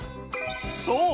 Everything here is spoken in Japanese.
そう！